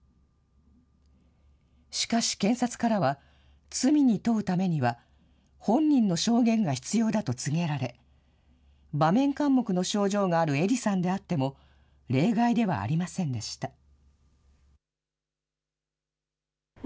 しかし、検察からは罪に問うためには、本人の証言が必要だと告げられ、場面かん黙の症状があるえりさんであっても、例外ではありませんでした。